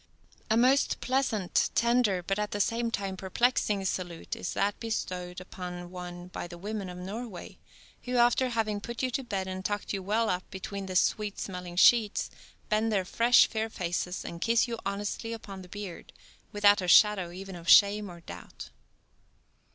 A most pleasant, tender, but, at the same time, perplexing salute, is that bestowed upon one by the women of Norway, who, after having put you to bed and tucked you up well between the sweet smelling sheets, bend their fresh, fair faces, and kiss you honestly upon the beard, without a shadow even of shame or doubt.